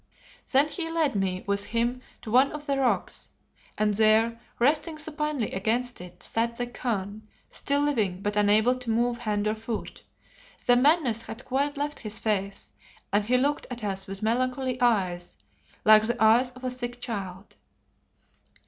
Then he led me with him to one of the rocks, and there, resting supinely against it, sat the Khan, still living but unable to move hand or foot. The madness had quite left his face and he looked at us with melancholy eyes, like the eyes of a sick child.